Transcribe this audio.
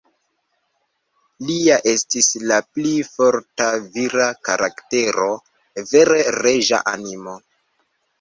Lia estis la pli forta, vira karaktero; vere reĝa animo.